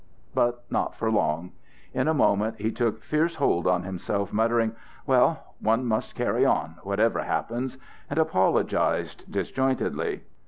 But not for long. In a moment he took fierce hold on himself, muttering, "Well, one must carry on, whatever happens," and apologized disjointedly.